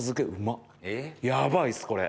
ヤバいっすこれ。